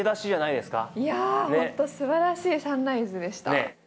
いや本当すばらしいサンライズでした。